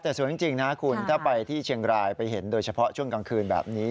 แต่สวยจริงนะคุณถ้าไปที่เชียงรายไปเห็นโดยเฉพาะช่วงกลางคืนแบบนี้